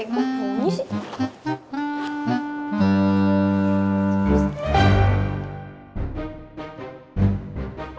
kok hp gue bunyi sih